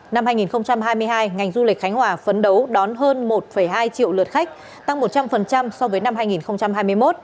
năm hai nghìn hai mươi hai ngành du lịch khánh hòa phấn đấu đón hơn một hai triệu lượt khách tăng một trăm linh so với năm hai nghìn hai mươi một